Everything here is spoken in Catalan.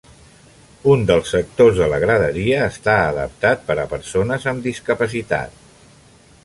Un dels sectors de la graderia està adaptat per a persones amb discapacitat.